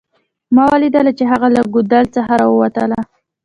ما ولیدله چې هغه له ګودال څخه راووتله